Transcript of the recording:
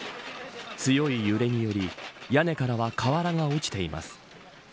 強い揺れにより屋根からは瓦が落ちています。